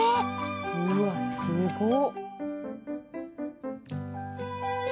うわすごっ！